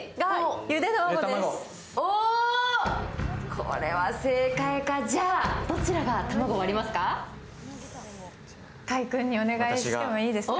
これは正解か、じゃあ、どちらが卵を割りますか。